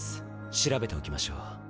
調べておきましょう。